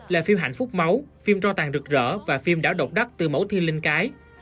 là phim hạnh phúc máu phim cho tàn rực rỡ và phim đảo độc đắc từ mẫu thiên linh cái